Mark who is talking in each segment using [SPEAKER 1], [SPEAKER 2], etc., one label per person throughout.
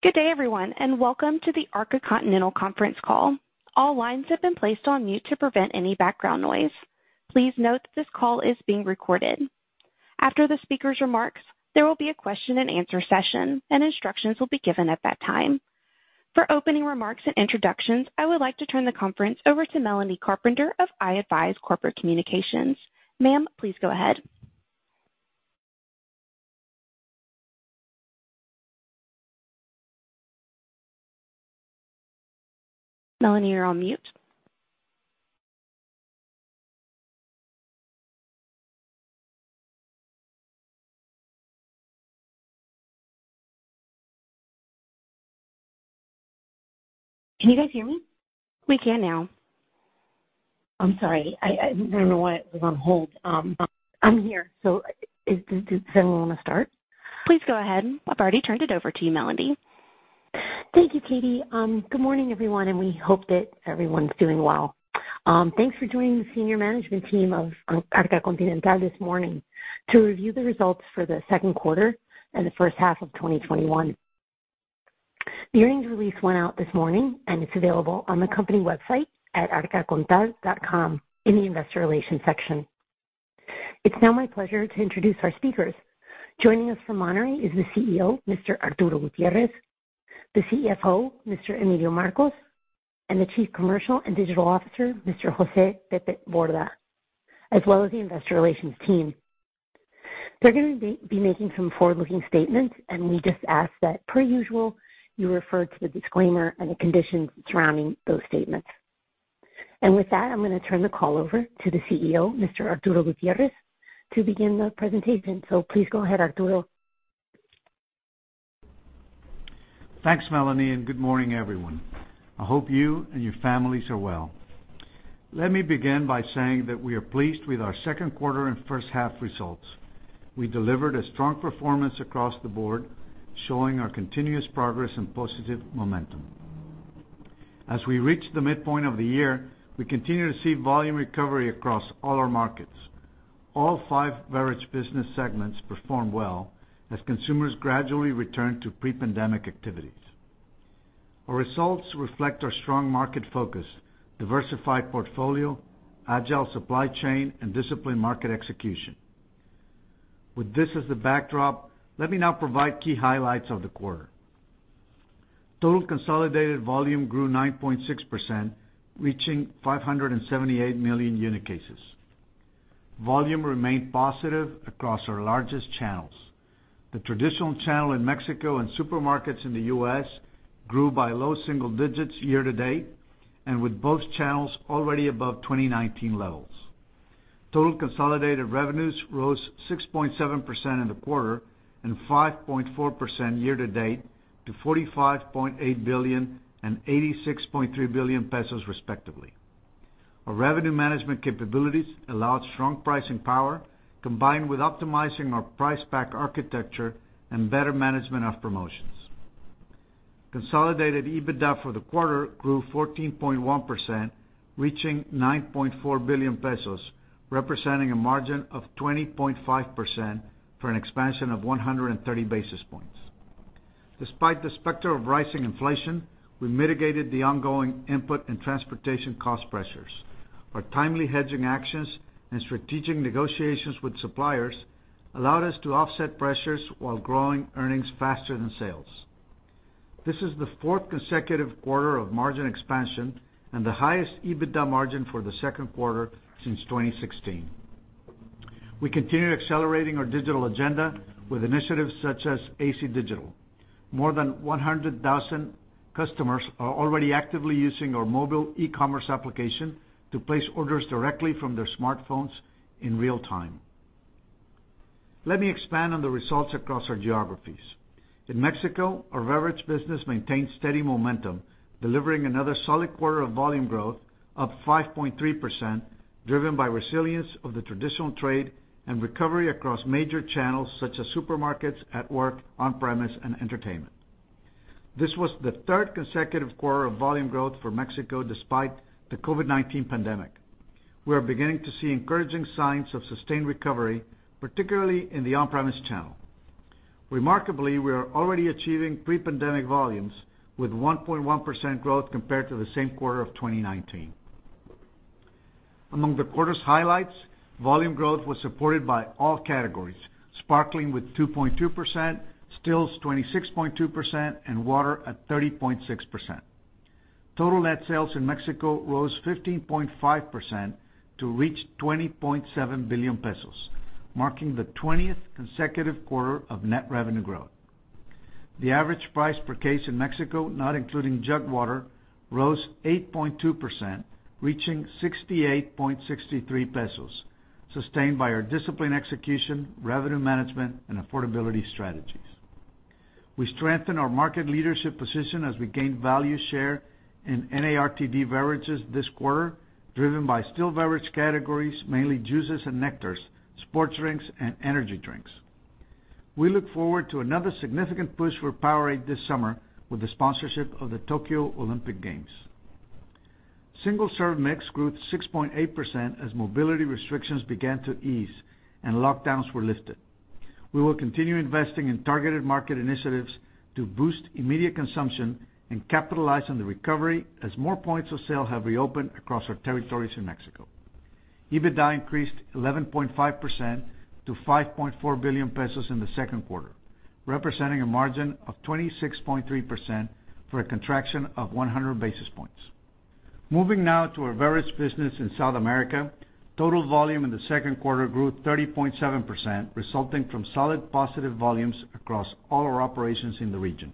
[SPEAKER 1] Good day, everyone, welcome to the Arca Continental conference call. All lines have been placed on mute to prevent any background noise. Please note that this call is being recorded. After the speaker's remarks, there will be a question-and-answer session, and instructions will be given at that time. For opening remarks and introductions, I would like to turn the conference over to Melanie Carpenter of i-advize Corporate Communications. Ma'am, please go ahead. Melanie, you're on mute.
[SPEAKER 2] Can you guys hear me?
[SPEAKER 1] We can now.
[SPEAKER 2] I'm sorry. I don't know why it was on hold. I'm here, so does anyone want to start?
[SPEAKER 1] Please go ahead. I've already turned it over to you, Melanie.
[SPEAKER 2] Thank you, Katie. Good morning, everyone, and we hope that everyone's doing well. Thanks for joining the senior management team of Arca Continental this morning to review the results for the second quarter and the first half of 2021. The earnings release went out this morning, and it's available on the company website at arcacontal.com in the investor relations section. It's now my pleasure to introduce our speakers. Joining us from Monterrey is the CEO, Mr. Arturo Gutiérrez; the CFO, Mr. Emilio Marcos; and the Chief Commercial and Digital Officer, Mr. Jose Pepe Borda, as well as the investor relations team. They're going to be making some forward-looking statements, and we just ask that, per usual, you refer to the disclaimer and the conditions surrounding those statements. With that, I'm going to turn the call over to the CEO, Mr. Arturo Gutiérrez, to begin the presentation. Please go ahead, Arturo.
[SPEAKER 3] Thanks, Melanie. Good morning, everyone. I hope you and your families are well. Let me begin by saying that we are pleased with our second quarter and first half results. We delivered a strong performance across the board, showing our continuous progress and positive momentum. As we reach the midpoint of the year, we continue to see volume recovery across all our markets. All five beverage business segments performed well as consumers gradually returned to pre-pandemic activities. Our results reflect our strong market focus, diversified portfolio, agile supply chain, and disciplined market execution. With this as the backdrop, let me now provide key highlights of the quarter. Total consolidated volume grew 9.6%, reaching 578 million unit cases. Volume remained positive across our largest channels. The traditional channel in Mexico and supermarkets in the U.S. grew by low single digits year-to-date, with both channels already above 2019 levels. Total consolidated revenues rose 6.7% in the quarter and 5.4% year-to-date to MXN 45.8 billion and 86.3 billion pesos respectively. Our revenue management capabilities allowed strong pricing power, combined with optimizing our price pack architecture and better management of promotions. Consolidated EBITDA for the quarter grew 14.1%, reaching 9.4 billion pesos, representing a margin of 20.5% for an expansion of 130 basis points. Despite the specter of rising inflation, we mitigated the ongoing input and transportation cost pressures. Our timely hedging actions and strategic negotiations with suppliers allowed us to offset pressures while growing earnings faster than sales. This is the fourth consecutive quarter of margin expansion and the highest EBITDA margin for the second quarter since 2016. We continue accelerating our digital agenda with initiatives such as AC Digital. More than 100,000 customers are already actively using our mobile e-commerce application to place orders directly from their smartphones in real time. Let me expand on the results across our geographies. In Mexico, our beverage business maintained steady momentum, delivering another solid quarter of volume growth up 5.3%, driven by resilience of the traditional trade and recovery across major channels such as supermarkets, at work, on premise, and entertainment. This was the third consecutive quarter of volume growth for Mexico despite the COVID-19 pandemic. We are beginning to see encouraging signs of sustained recovery, particularly in the on-premise channel. Remarkably, we are already achieving pre-pandemic volumes with 1.1% growth compared to the same quarter of 2019. Among the quarter's highlights, volume growth was supported by all categories. Sparkling with 2.2%, stills 26.2%, and water at 30.6%. Total net sales in Mexico rose 15.5% to reach MXN 20.7 billion, marking the 20th consecutive quarter of net revenue growth. The average price per case in Mexico, not including jug water, rose 8.2%, reaching 68.63 pesos, sustained by our discipline execution, revenue management, and affordability strategies. We strengthen our market leadership position as we gain value share in NARTD beverages this quarter, driven by still beverage categories, mainly juices and nectars, sports drinks, and energy drinks. We look forward to another significant push for Powerade this summer with the sponsorship of the Tokyo Olympic Games. Single-serve mix grew 6.8% as mobility restrictions began to ease and lockdowns were lifted. We will continue investing in targeted market initiatives to boost immediate consumption and capitalize on the recovery as more points of sale have reopened across our territories in Mexico. EBITDA increased 11.5% to MXN 5.4 billion in the second quarter, representing a margin of 26.3% for a contraction of 100 basis points. Moving now to our beverage business in South America. Total volume in the second quarter grew 30.7%, resulting from solid positive volumes across all our operations in the region.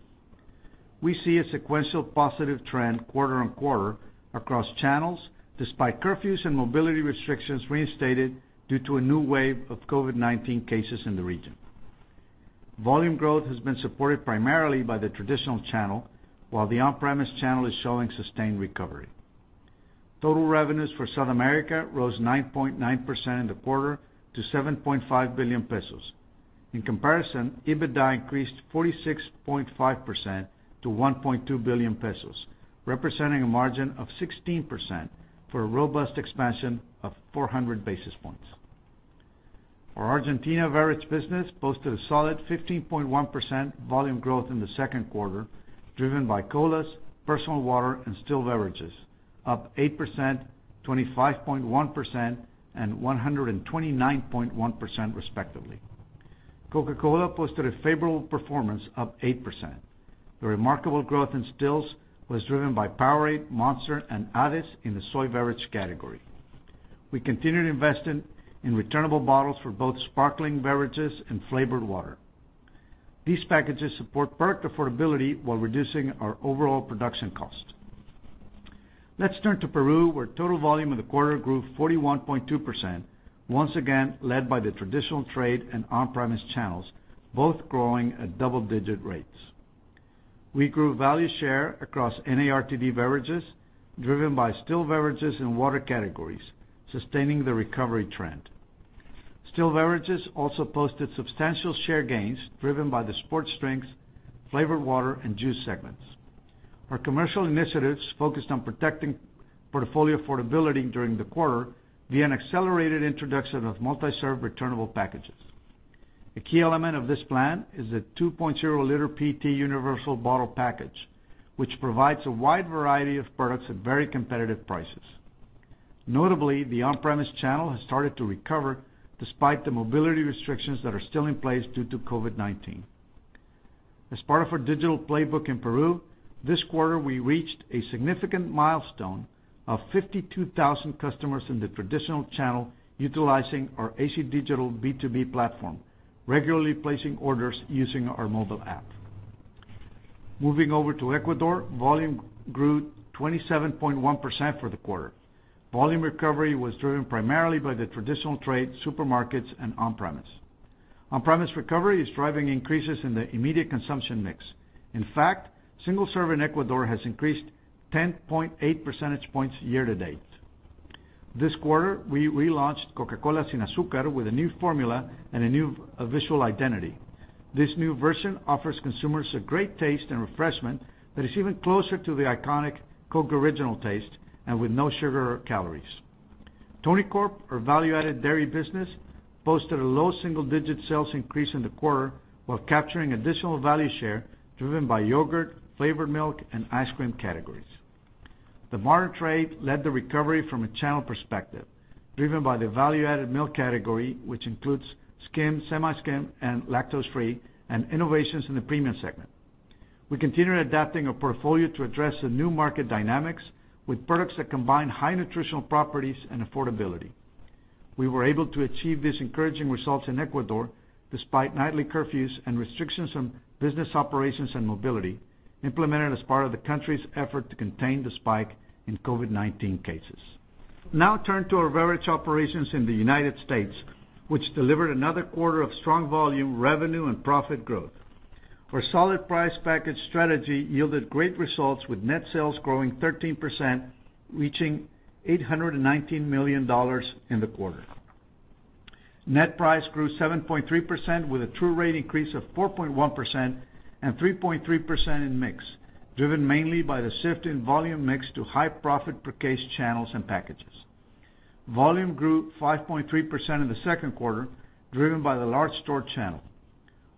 [SPEAKER 3] We see a sequential positive trend quarter-on-quarter across channels, despite curfews and mobility restrictions reinstated due to a new wave of COVID-19 cases in the region. Volume growth has been supported primarily by the traditional channel, while the on-premise channel is showing sustained recovery. Total revenues for South America rose 9.9% in the quarter to 7.5 billion pesos. In comparison, EBITDA increased 46.5% to MXN 1.2 billion, representing a margin of 16% for a robust expansion of 400 basis points. Our Argentina beverage business posted a solid 15.1% volume growth in the second quarter, driven by colas, personal water, and still beverages, up 8%, 25.1%, and 129.1% respectively. Coca-Cola posted a favorable performance, up 8%. The remarkable growth in stills was driven by Powerade, Monster, and AdeS in the soy beverage category. We continued investing in returnable bottles for both sparkling beverages and flavored water. These packages support product affordability while reducing our overall production cost. Let's turn to Peru, where total volume in the quarter grew 41.2%, once again led by the traditional trade and on-premise channels, both growing at double-digit rates. We grew value share across NARTD beverages, driven by still beverages and water categories, sustaining the recovery trend. Still beverages also posted substantial share gains, driven by the sports drinks, flavored water, and juice segments. Our commercial initiatives focused on protecting portfolio affordability during the quarter via an accelerated introduction of multi-serve returnable packages. A key element of this plan is the 2.0-L PET universal bottle package, which provides a wide variety of products at very competitive prices. Notably, the on-premise channel has started to recover despite the mobility restrictions that are still in place due to COVID-19. As part of our digital playbook in Peru, this quarter, we reached a significant milestone of 52,000 customers in the traditional channel utilizing our AC Digital B2B platform, regularly placing orders using our mobile app. Moving over to Ecuador, volume grew 27.1% for the quarter. Volume recovery was driven primarily by the traditional trade supermarkets and on-premise. On-premise recovery is driving increases in the immediate consumption mix. In fact, single-serve in Ecuador has increased 10.8 percentage points year-to-date. This quarter, we relaunched Coca-Cola Sin Azúcar with a new formula and a new visual identity. This new version offers consumers a great taste and refreshment that is even closer to the iconic Coke original taste and with no sugar or calories. Tonicorp, our value-added dairy business, posted a low single-digit sales increase in the quarter while capturing additional value share, driven by yogurt, flavored milk, and ice cream categories. The modern trade led the recovery from a channel perspective, driven by the value-added milk category, which includes skim, semi-skim, and lactose-free, and innovations in the premium segment. We continue adapting our portfolio to address the new market dynamics with products that combine high nutritional properties and affordability. We were able to achieve these encouraging results in Ecuador despite nightly curfews and restrictions on business operations and mobility implemented as part of the country's effort to contain the spike in COVID-19 cases. Now turn to our beverage operations in the United States, which delivered another quarter of strong volume, revenue, and profit growth. Our solid price package strategy yielded great results, with net sales growing 13%, reaching $819 million in the quarter. Net price grew 7.3% with a true rate increase of 4.1% and 3.3% in mix, driven mainly by the shift in volume mix to high profit per case channels and packages. Volume grew 5.3% in the second quarter, driven by the large store channel.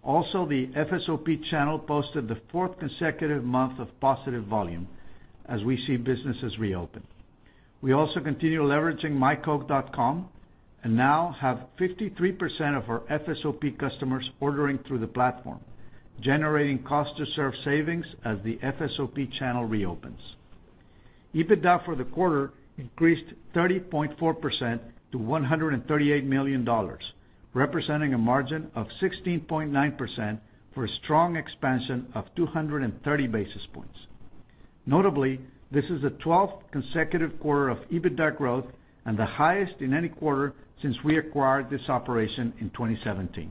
[SPEAKER 3] Also, the FSOP channel posted the fourth consecutive month of positive volume as we see businesses reopen. We also continue leveraging myCoke.com and now have 53% of our FSOP customers ordering through the platform, generating cost to serve savings as the FSOP channel reopens. EBITDA for the quarter increased 30.4% to MXN 138 million, representing a margin of 16.9% for a strong expansion of 230 basis points. Notably, this is the 12th consecutive quarter of EBITDA growth and the highest in any quarter since we acquired this operation in 2017.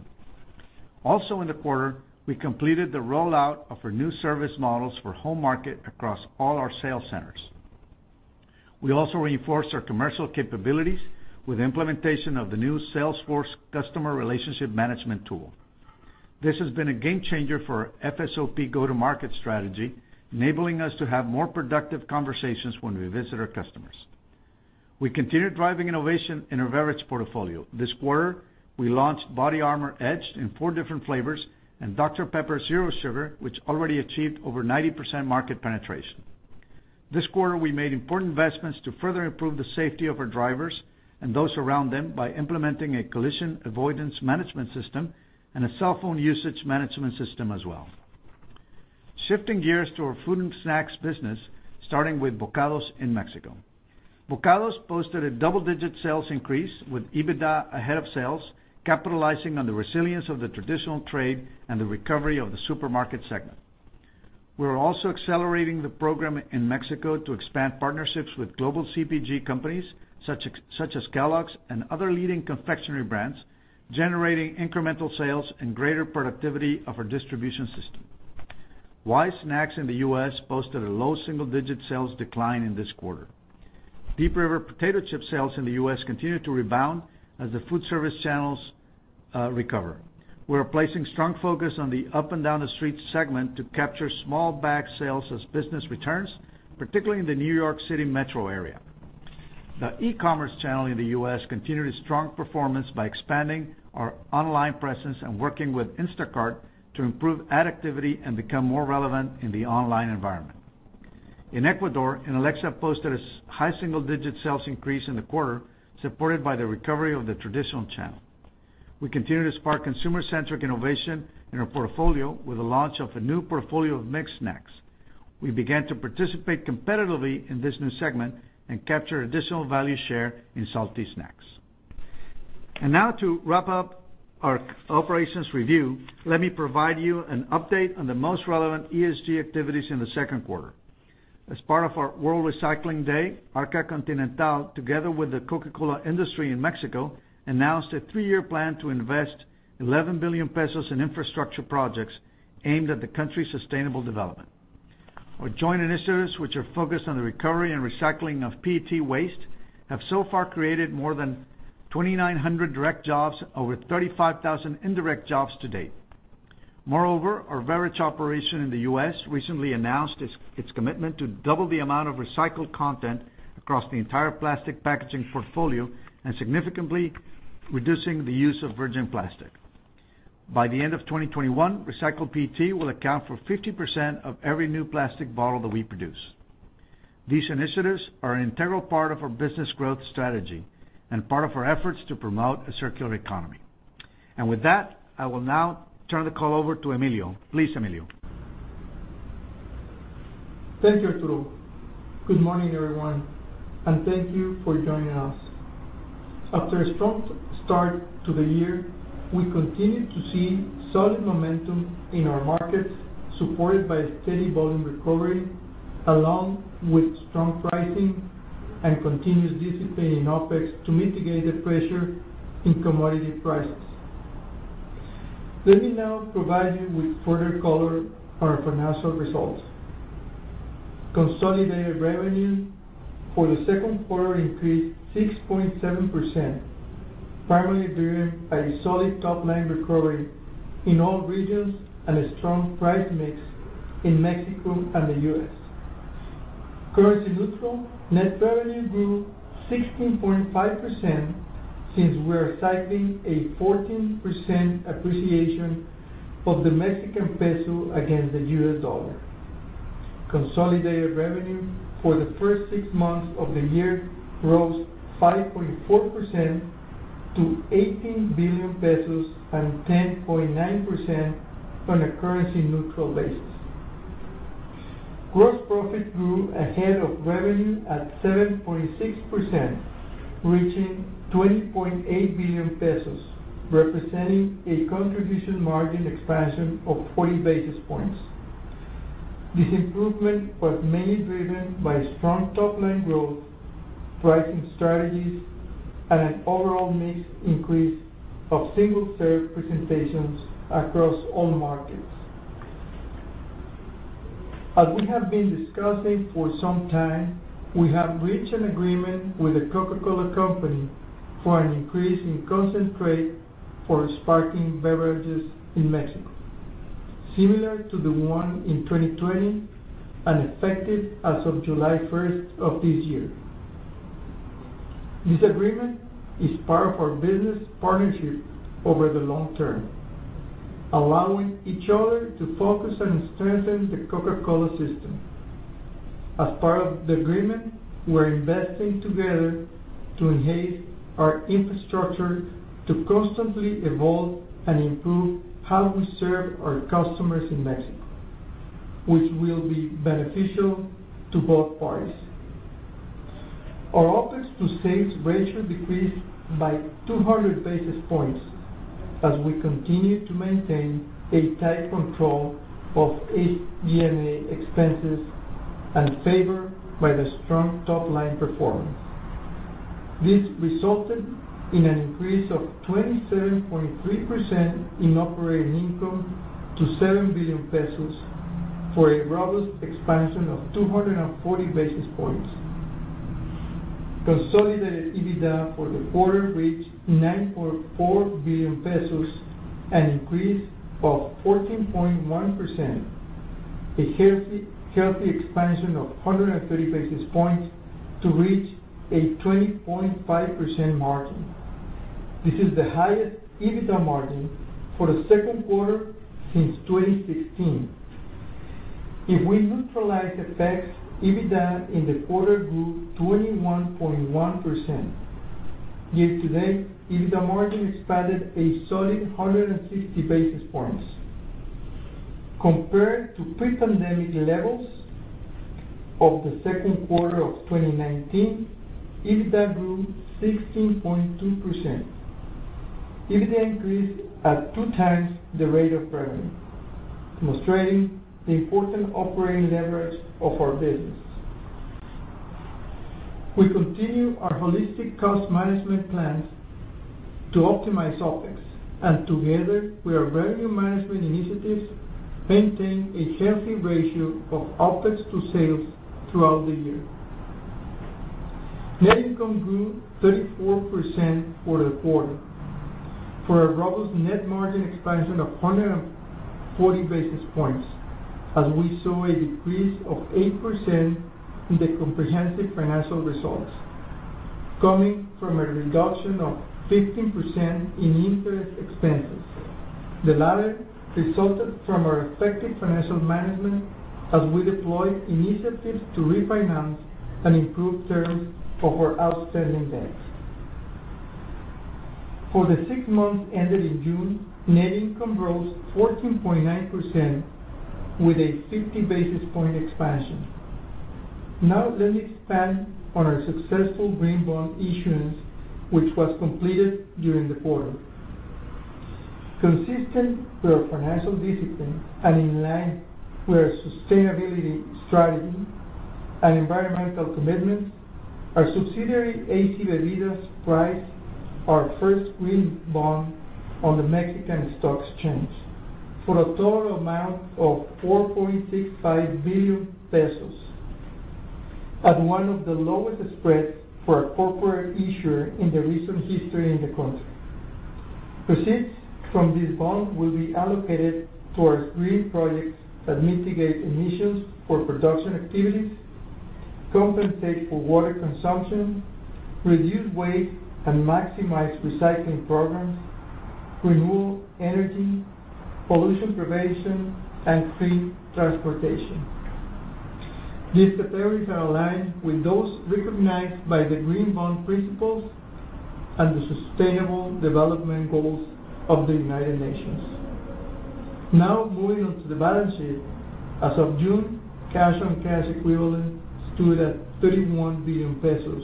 [SPEAKER 3] Also in the quarter, we completed the rollout of our new service models for home market across all our sales centers. We also reinforced our commercial capabilities with the implementation of the new Salesforce customer relationship management tool. This has been a game changer for our FSOP go-to-market strategy, enabling us to have more productive conversations when we visit our customers. We continue driving innovation in our beverage portfolio. This quarter, we launched BODYARMOR EDGE in four different flavors and Dr Pepper Zero Sugar, which already achieved over 90% market penetration. This quarter, we made important investments to further improve the safety of our drivers and those around them by implementing a collision avoidance management system and a cell phone usage management system as well. Shifting gears to our food and snacks business, starting with Bokados in Mexico. Bokados posted a double-digit sales increase with EBITDA ahead of sales, capitalizing on the resilience of the traditional trade and the recovery of the supermarket segment. We're also accelerating the program in Mexico to expand partnerships with global CPG companies such as Kellogg's and other leading confectionery brands, generating incremental sales and greater productivity of our distribution system. Wise Snacks in the U.S. posted a low single-digit sales decline in this quarter. Deep River potato chip sales in the U.S. continue to rebound as the food service channels recover. We're placing strong focus on the up-and-down the street segment to capture small bag sales as business returns, particularly in the New York City metro area. The e-commerce channel in the U.S. continued its strong performance by expanding our online presence and working with Instacart to improve ad activity and become more relevant in the online environment. In Ecuador, Inalecsa posted a high single-digit sales increase in the quarter, supported by the recovery of the traditional channel. We continue to spark consumer-centric innovation in our portfolio with the launch of a new portfolio of mixed snacks. We began to participate competitively in this new segment and capture additional value share in salty snacks. Now to wrap up our operations review, let me provide you an update on the most relevant ESG activities in the second quarter. As part of our Global Recycling Day, Arca Continental, together with the Mexican Coca-Cola Industry, announced a three-year plan to invest 11 billion pesos in infrastructure projects aimed at the country's sustainable development. Our joint initiatives, which are focused on the recovery and recycling of PET waste, have so far created more than 2,900 direct jobs and over 35,000 indirect jobs to date. Moreover, our beverage operation in the U.S. recently announced its commitment to double the amount of recycled content across the entire plastic packaging portfolio and significantly reducing the use of virgin plastic. By the end of 2021, recycled PET will account for 50% of every new plastic bottle that we produce. These initiatives are an integral part of our business growth strategy and part of our efforts to promote a circular economy. With that, I will now turn the call over to Emilio. Please, Emilio.
[SPEAKER 4] Thank you, Arturo. Good morning, everyone, and thank you for joining us. After a strong start to the year, we continue to see solid momentum in our markets, supported by a steady volume recovery, along with strong pricing and continuous discipline in OpEx to mitigate the pressure in commodity prices. Let me now provide you with further color on our financial results. Consolidated revenue for the second quarter increased 6.7%, primarily driven by solid top-line recovery in all regions and a strong price mix in Mexico and the U.S. Currency neutral net revenue grew 16.5% since we're cycling a 14% appreciation of the Mexican peso against the U.S. dollar. Consolidated revenue for the first six months of the year rose 5.4% to 18 billion pesos and 10.9% on a currency neutral basis. Gross profit grew ahead of revenue at 7.6%, reaching 20.8 billion pesos, representing a contribution margin expansion of 40 basis points. This improvement was mainly driven by strong top-line growth, pricing strategies, and an overall mix increase of single-serve presentations across all markets. As we have been discussing for some time, we have reached an agreement with The Coca-Cola Company for an increase in concentrate for sparkling beverages in Mexico, similar to the one in 2020 and effective as of July 1st of this year. This agreement is part of our business partnership over the long term, allowing each other to focus and strengthen the Coca-Cola system. As part of the agreement, we're investing together to enhance our infrastructure to constantly evolve and improve how we serve our customers in Mexico, which will be beneficial to both parties. Our OpEx to sales ratio decreased by 200 basis points as we continue to maintain a tight control of SG&A expenses and favored by the strong top-line performance. This resulted in an increase of 27.3% in operating income to 7 billion pesos for a robust expansion of 240 basis points. Consolidated EBITDA for the quarter reached 9.4 billion pesos, an increase of 14.1%, a healthy expansion of 130 basis points to reach a 20.5% margin. This is the highest EBITDA margin for a second quarter since 2016. If we neutralize effects, EBITDA in the quarter grew 21.1%. Year-to-date, EBITDA margin expanded a solid 160 basis points. Compared to pre-pandemic levels of the second quarter of 2019, EBITDA grew 16.2%. EBITDA increased at 2x the rate of revenue, demonstrating the important operating leverage of our business. We continue our holistic cost management plans to optimize OpEx, and together with our revenue management initiatives, maintain a healthy ratio of OpEx to sales throughout the year. Net income grew 34% for the quarter for a robust net margin expansion of 140 basis points, as we saw a decrease of 8% in the comprehensive financial results, coming from a reduction of 15% in interest expenses. The latter resulted from our effective financial management as we deployed initiatives to refinance and improve terms of our outstanding debts. For the six months ended in June, net income rose 14.9% with a 50 basis point expansion. Now let me expand on our successful green bond issuance, which was completed during the quarter. Consistent with our financial discipline and in line with our sustainability strategy and environmental commitment, our subsidiary, AC Bebidas, priced our first green bond on the Mexican Stock Exchange for a total amount of 4.65 billion pesos at one of the lowest spreads for a corporate issuer in the recent history in the country. Proceeds from this bond will be allocated towards green projects that mitigate emissions for production activities, compensate for water consumption, reduce waste, and maximize recycling programs, renewable energy, pollution prevention, and clean transportation. These categories are aligned with those recognized by the Green Bond Principles and the sustainable development goals of the United Nations. Now, moving on to the balance sheet. As of June, cash and cash equivalents stood at 31 billion pesos,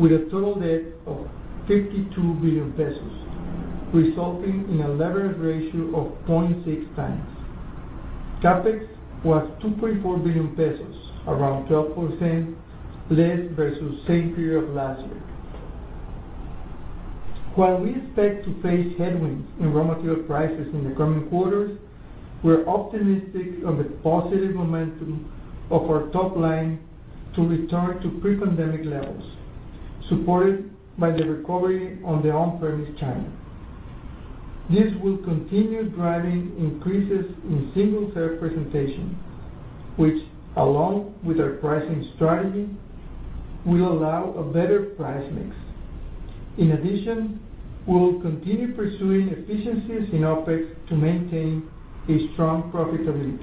[SPEAKER 4] with a total debt of 32 billion pesos, resulting in a leverage ratio of 0.6x. CapEx was 2.4 billion pesos, around 12% less versus same period of last year. While we expect to face headwinds in raw material prices in the coming quarters, we're optimistic on the positive momentum of our top line to return to pre-pandemic levels, supported by the recovery on the on-premise channel. This will continue driving increases in single-serve presentation, which, along with our pricing strategy, will allow a better price mix. In addition, we will continue pursuing efficiencies in OpEx to maintain a strong profitability.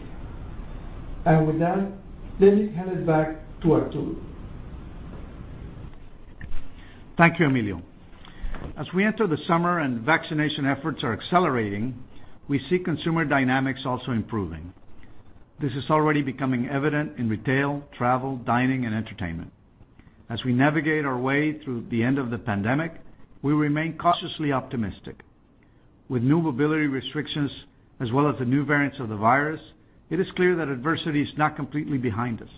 [SPEAKER 4] With that, let me hand it back to Arturo.
[SPEAKER 3] Thank you, Emilio. As we enter the summer and vaccination efforts are accelerating, we see consumer dynamics also improving. This is already becoming evident in retail, travel, dining, and entertainment. As we navigate our way through the end of the pandemic, we remain cautiously optimistic. With new mobility restrictions, as well as the new variants of the virus, it is clear that adversity is not completely behind us.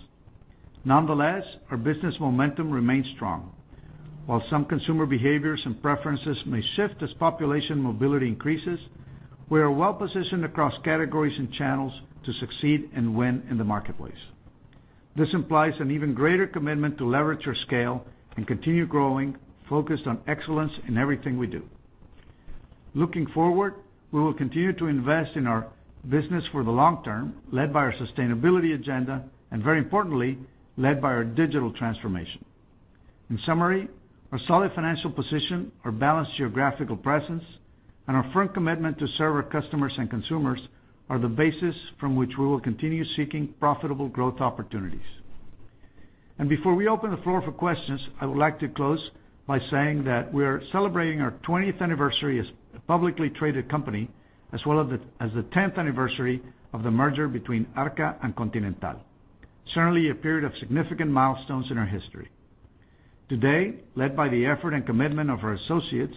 [SPEAKER 3] Nonetheless, our business momentum remains strong. While some consumer behaviors and preferences may shift as population mobility increases, we are well-positioned across categories and channels to succeed and win in the marketplace. This implies an even greater commitment to leverage our scale and continue growing, focused on excellence in everything we do. Looking forward, we will continue to invest in our business for the long term, led by our sustainability agenda, and very importantly, led by our digital transformation. In summary, our solid financial position, our balanced geographical presence, and our firm commitment to serve our customers and consumers are the basis from which we will continue seeking profitable growth opportunities. Before we open the floor for questions, I would like to close by saying that we are celebrating our 20th anniversary as a publicly-traded company, as well as the 10th anniversary of the merger between Arca and Continental. Certainly, a period of significant milestones in our history. Today, led by the effort and commitment of our associates,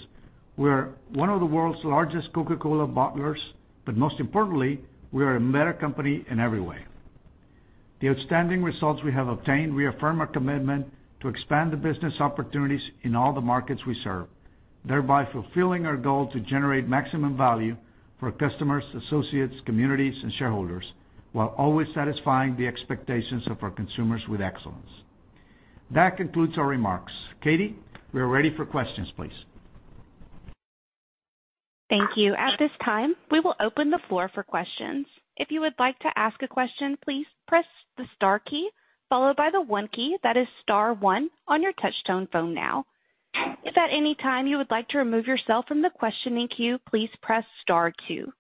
[SPEAKER 3] we are one of the world's largest Coca-Cola bottlers, but most importantly, we are a better company in every way. The outstanding results we have obtained reaffirm our commitment to expand the business opportunities in all the markets we serve, thereby fulfilling our goal to generate maximum value for customers, associates, communities, and shareholders, while always satisfying the expectations of our consumers with excellence. That concludes our remarks. Katie, we are ready for questions, please.
[SPEAKER 1] Thank you. At this time, we will open the floor for questions. If you would like to ask a question, please press the star key followed by the one key, that is star one on your touchtone phone now. If at any time you would like to remove yourself from the questioning queue, please press star two.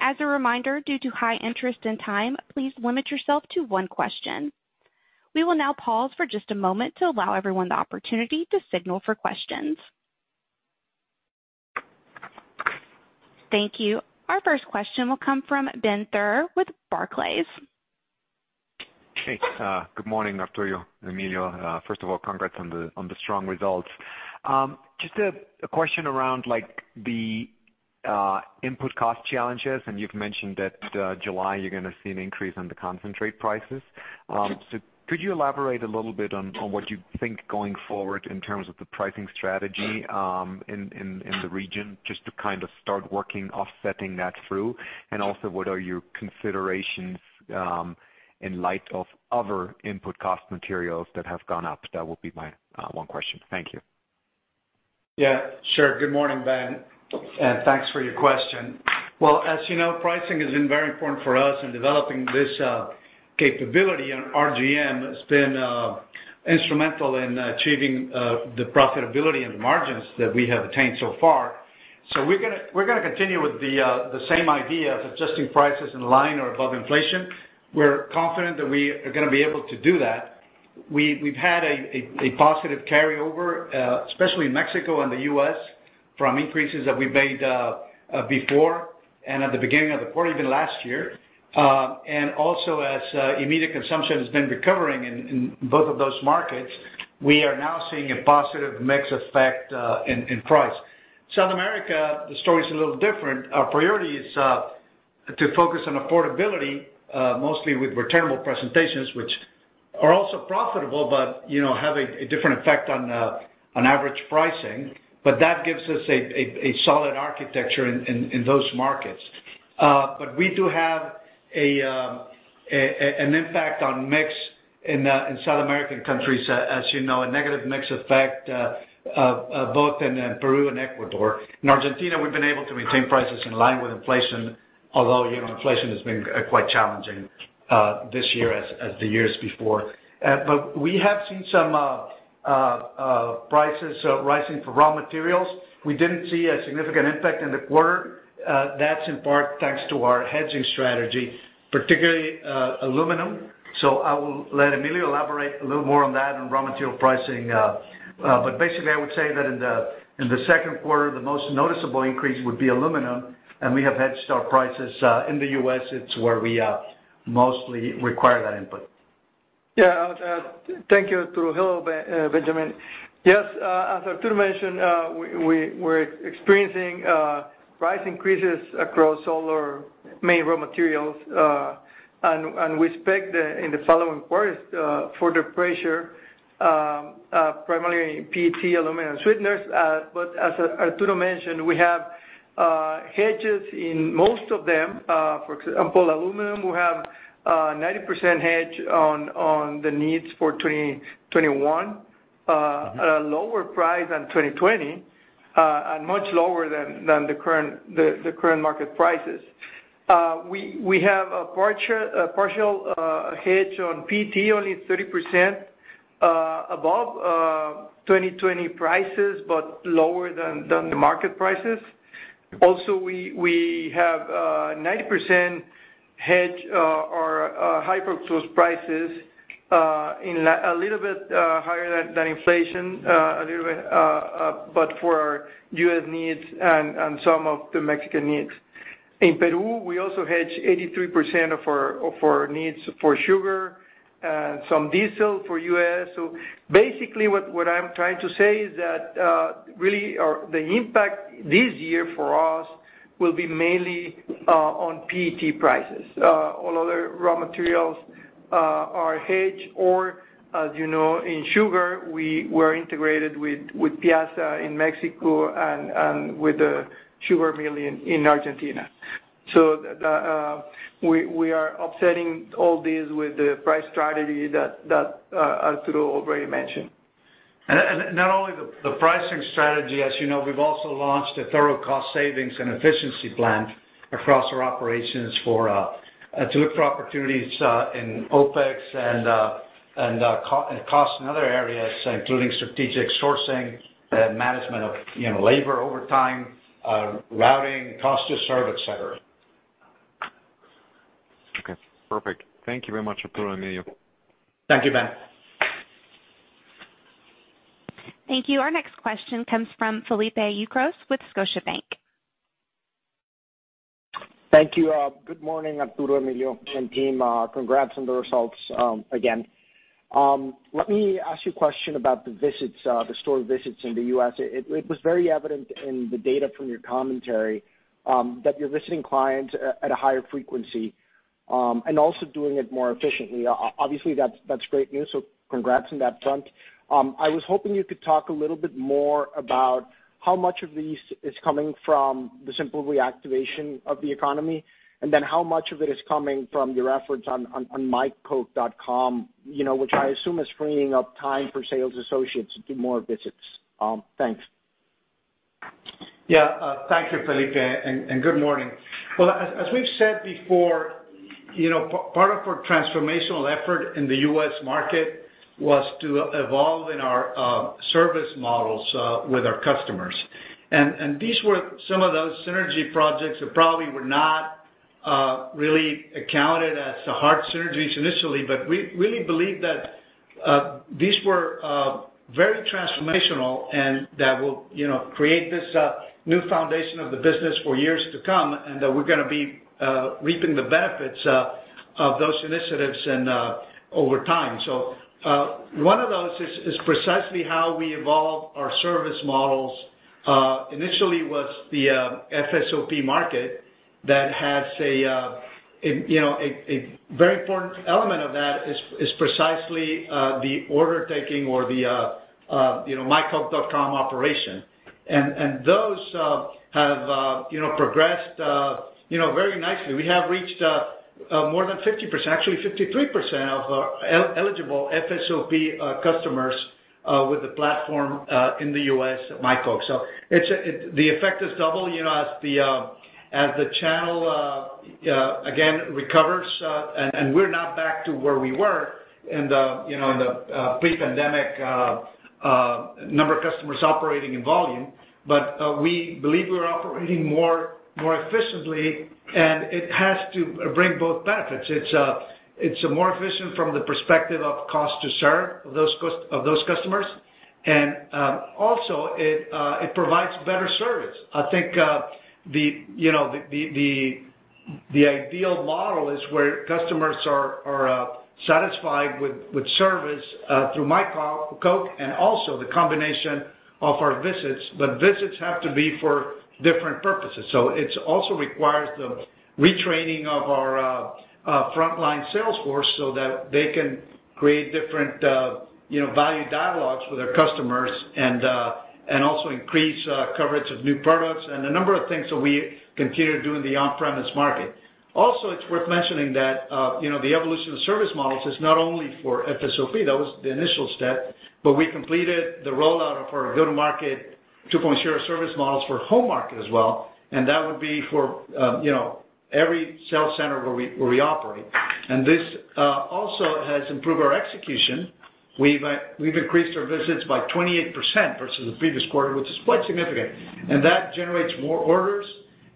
[SPEAKER 1] As a reminder, due to high interest and time, please limit yourself to one question. We will now pause for just a moment to allow everyone the opportunity to signal for questions. Thank you. Our first question will come from Ben Theurer with Barclays.
[SPEAKER 5] Hey, good morning, Arturo and Emilio. First of all, congrats on the strong results. Just a question around the input cost challenges, and you've mentioned that July you're going to see an increase on the concentrate prices. Could you elaborate a little bit on what you think going forward in terms of the pricing strategy in the region, just to kind of start working offsetting that through? What are your considerations in light of other input cost materials that have gone up? That will be my one question. Thank you.
[SPEAKER 3] Yeah, sure. Good morning, Ben Theurer, and thanks for your question. Well, as you know, pricing has been very important for us in developing this capability, and RGM has been instrumental in achieving the profitability and the margins that we have attained so far. We're going to continue with the same idea of adjusting prices in line or above inflation. We're confident that we are going to be able to do that. We've had a positive carryover, especially in Mexico and the U.S., from increases that we've made before and at the beginning of the quarter, even last year. Also as immediate consumption has been recovering in both of those markets, we are now seeing a positive mix effect in price. South America, the story's a little different. Our priority is to focus on affordability, mostly with returnable presentations, which are also profitable, but have a different effect on average pricing. That gives us a solid architecture in those markets. We do have an impact on mix in South American countries, as you know, a negative mix effect both in Peru and Ecuador. In Argentina, we've been able to maintain prices in line with inflation, although inflation has been quite challenging this year as the years before. We have seen some prices rising for raw materials. We didn't see a significant impact in the quarter. That's in part thanks to our hedging strategy, particularly aluminum. I will let Emilio elaborate a little more on that and raw material pricing. Basically, I would say that in the second quarter, the most noticeable increase would be aluminum, and we have hedged our prices. In the U.S., it's where we mostly require that input.
[SPEAKER 4] Yeah. Thank you, Arturo. Hello, Benjamin. Yes, as Arturo mentioned, we're experiencing price increases across all our main raw materials. We expect in the following quarters further pressure, primarily in PET, aluminum, and sweeteners. As Arturo mentioned, we have hedges in most of them. For example, aluminum, we have 90% hedge on the needs for 2021 at a lower price than 2020 and much lower than the current market prices. We have a partial hedge on PET, only 30% above 2020 prices, but lower than the market prices. Also, we have 90% hedge our high fructose prices a little bit higher than inflation, a little bit, but for our U.S. needs and some of the Mexican needs. In Peru, we also hedge 83% of our needs for sugar, some diesel for U.S. Basically what I'm trying to say is that really, the impact this year for us will be mainly on PET prices. All other raw materials are hedged or, as you know, in sugar, we were integrated with PIASA in Mexico and with the sugar mill in Argentina. We are offsetting all this with the price strategy that Arturo already mentioned.
[SPEAKER 3] Not only the pricing strategy, as you know, we've also launched a thorough cost savings and efficiency plan across our operations to look for opportunities in OpEx and cost in other areas, including strategic sourcing, management of labor overtime, routing, cost to serve, etc.
[SPEAKER 5] Okay, perfect. Thank you very much, Arturo and Emilio.
[SPEAKER 3] Thank you, Ben.
[SPEAKER 1] Thank you. Our next question comes from Felipe Ucros with Scotiabank.
[SPEAKER 6] Thank you. Good morning, Arturo, Emilio, and team. Congrats on the results again. Let me ask you a question about the store visits in the U.S. It was very evident in the data from your commentary that you're visiting clients at a higher frequency. Also doing it more efficiently. Obviously, that's great news. Congrats on that front. I was hoping you could talk a little bit more about how much of this is coming from the simple reactivation of the economy. How much of it is coming from your efforts on mycoke.com, which I assume is freeing up time for sales associates to do more visits. Thanks.
[SPEAKER 3] Yeah. Thank you, Felipe. Good morning. Well, as we've said before, part of our transformational effort in the U.S. market was to evolve in our service models with our customers. These were some of those synergy projects that probably were not really accounted as the hard synergies initially, but we really believe that these were very transformational and that will create this new foundation of the business for years to come, and that we're going to be reaping the benefits of those initiatives over time. One of those is precisely how we evolve our service models. Initially was the FSOP market. A very important element of that is precisely the order taking or the mycoke.com operation. Those have progressed very nicely. We have reached more than 50%, actually 53% of eligible FSOP customers with the platform in the U.S., My Coke. The effect is double as the channel again recovers, and we're now back to where we were in the pre-pandemic number of customers operating in volume. We believe we're operating more efficiently, and it has to bring both benefits. It's more efficient from the perspective of cost to serve of those customers, and also it provides better service. I think the ideal model is where customers are satisfied with service through My Coke and also the combination of our visits, but visits have to be for different purposes. It also requires the retraining of our frontline sales force so that they can create different value dialogues with our customers and also increase coverage of new products and a number of things that we continue to do in the on-premise market. It's worth mentioning that the evolution of service models is not only for FSOP. That was the initial step. We completed the rollout of our go-to-market 2.0 service models for home market as well, and that would be for every sales center where we operate. This also has improved our execution. We've increased our visits by 28% versus the previous quarter, which is quite significant. That generates more orders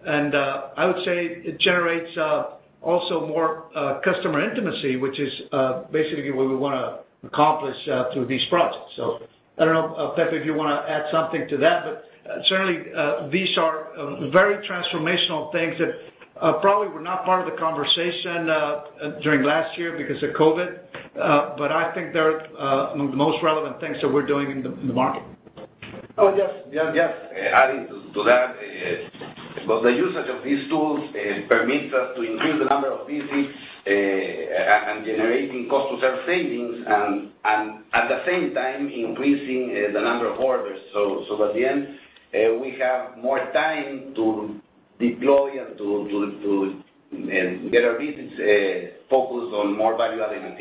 [SPEAKER 3] and I would say it generates also more customer intimacy, which is basically what we want to accomplish through these projects. I don't know, Pepe, if you want to add something to that, but certainly these are very transformational things that probably were not part of the conversation during last year because of COVID. I think they're the most relevant things that we're doing in the market.
[SPEAKER 7] Oh, yes. Because the usage of these tools permits us to increase the number of visits and generating cost to serve savings and at the same time increasing the number of orders. By the end, we have more time to deploy and to get our visits focused on more value-added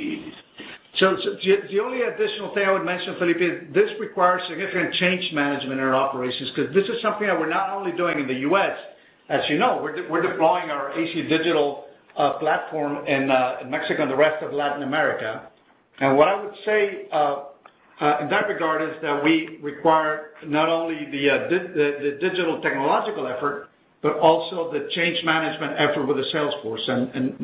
[SPEAKER 7] activities.
[SPEAKER 3] The only additional thing I would mention, Felipe, this requires significant change management in our operations because this is something that we're not only doing in the U.S. As you know, we're deploying our AC Digital platform in Mexico and the rest of Latin America. What I would say in that regard is that we require not only the digital technological effort, but also the change management effort with the sales force.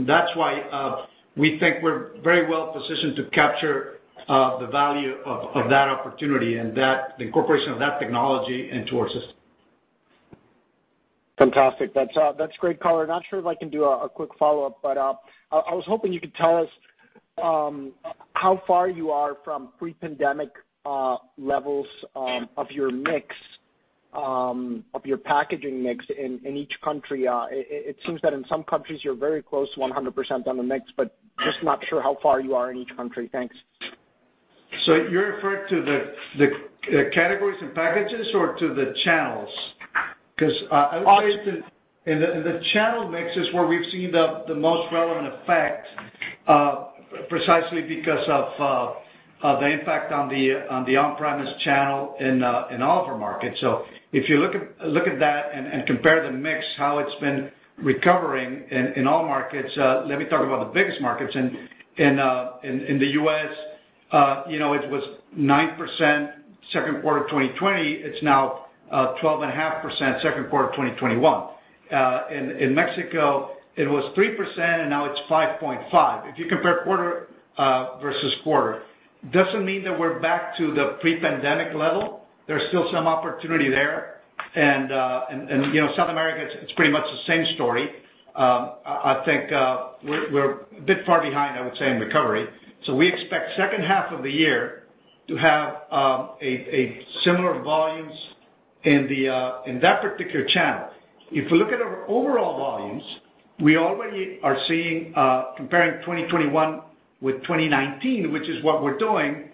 [SPEAKER 3] That's why we think we're very well positioned to capture the value of that opportunity and the incorporation of that technology into our system.
[SPEAKER 6] Fantastic. That's great color. Not sure if I can do a quick follow-up, but I was hoping you could tell us how far you are from pre-pandemic levels of your packaging mix in each country. It seems that in some countries you're very close to 100% on the mix, but just not sure how far you are in each country. Thanks.
[SPEAKER 3] You're referring to the categories and packages or to the channels?
[SPEAKER 6] All of it.
[SPEAKER 3] The channel mix is where we've seen the most relevant effect, precisely because of the impact on the on-premise channel in all of our markets. If you look at that and compare the mix, how it's been recovering in all markets, let me talk about the biggest markets. In the U.S., it was 9% second quarter 2020, it's now 12.5% second quarter 2021. In Mexico, it was 3% and now it's 5.5%. If you compare quarter versus quarter. Doesn't mean that we're back to the pre-pandemic level. There's still some opportunity there. South America, it's pretty much the same story. I think we're a bit far behind, I would say, in recovery. We expect second half of the year to have a similar volumes in that particular channel. If you look at our overall volumes, we already are seeing, comparing 2021 with 2019, which is what we're doing,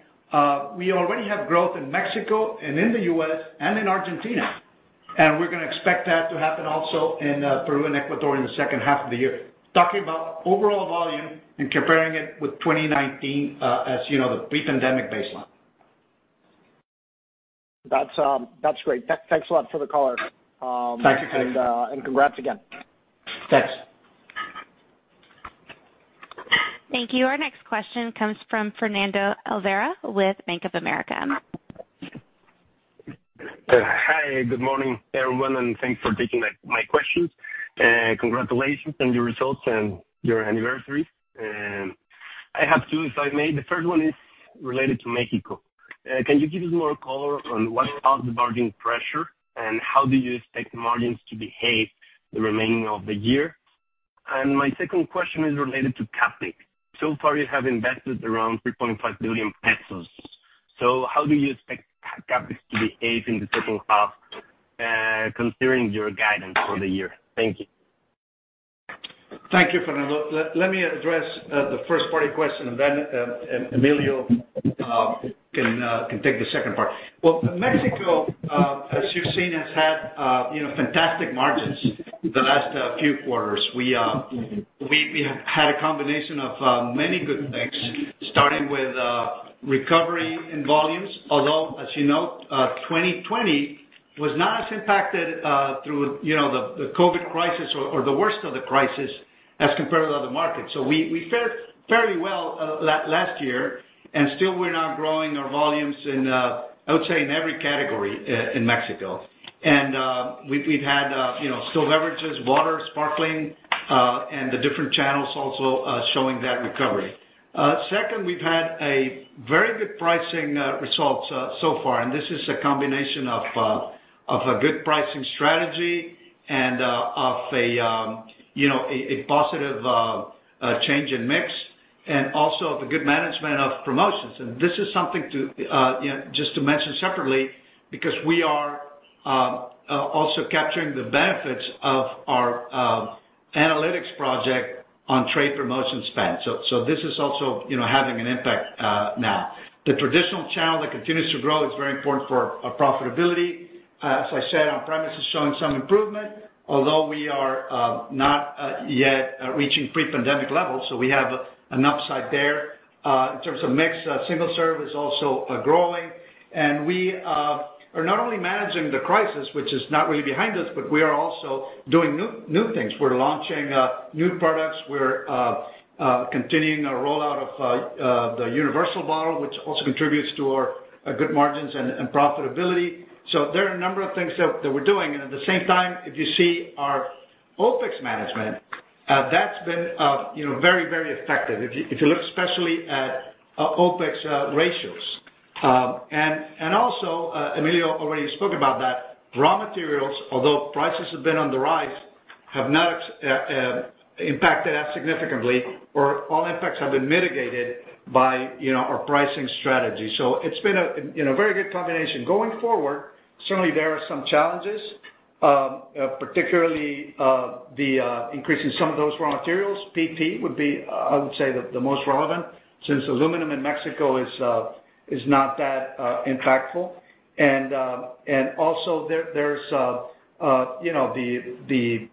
[SPEAKER 3] we already have growth in Mexico and in the U.S. and in Argentina. We're going to expect that to happen also in Peru and Ecuador in the second half of the year. Talking about overall volume and comparing it with 2019, as you know, the pre-pandemic baseline.
[SPEAKER 6] That's great. Thanks a lot for the color.
[SPEAKER 3] Thank you.
[SPEAKER 6] Congrats again.
[SPEAKER 3] Thanks.
[SPEAKER 1] Thank you. Our next question comes from Fernando Olvera with Bank of America.
[SPEAKER 8] Hi, good morning, everyone. Thanks for taking my questions. Congratulations on your results and your anniversary. I have two, if I may. The first one is related to Mexico. Can you give us more color on what are the margin pressure, and how do you expect margins to behave the remainder of the year? My second question is related to CapEx. So far, you have invested around 3.5 billion pesos. How do you expect CapEx to behave in the second half, considering your guidance for the year? Thank you.
[SPEAKER 3] Thank you, Fernando. Let me address the first part of your question, and then Emilio can take the second part. Well Mexico, as you've seen, has had fantastic margins the last few quarters. We have had a combination of many good things, starting with recovery in volumes. Although, as you note, 2020 was not as impacted through the COVID crisis or the worst of the crisis as compared to other markets. We fared fairly well last year, and still we're now growing our volumes in, I would say, in every category in Mexico. We've had still beverages, water, sparkling, and the different channels also showing that recovery. Second, we've had a very good pricing results so far, and this is a combination of a good pricing strategy and of a positive change in mix, and also of a good management of promotions. This is something, just to mention separately, because we are also capturing the benefits of our analytics project on trade promotion spend. This is also having an impact now. The traditional channel that continues to grow is very important for our profitability. As I said, on-premise is showing some improvement, although we are not yet reaching pre-pandemic levels, so we have an upside there. In terms of mix, single-serve is also growing. We are not only managing the crisis, which is not really behind us, but we are also doing new things. We're launching new products. We're continuing our rollout of the Universal Bottle, which also contributes to our good margins and profitability. There are a number of things that we're doing. At the same time, if you see our OpEx management, that's been very effective, if you look especially at OpEx ratios. Also, Emilio already spoke about that, raw materials, although prices have been on the rise, have not impacted us significantly, or all impacts have been mitigated by our pricing strategy. It's been a very good combination. Going forward, certainly there are some challenges, particularly the increase in some of those raw materials. PET would be, I would say, the most relevant, since aluminum in Mexico is not that impactful. Also, there's the